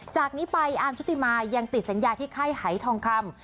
จากนี้ไปอามชุติมายังติดสัญญาที่ไข้ไฮทองคำ